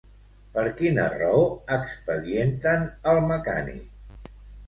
Per quina raó expedienten al mecànic?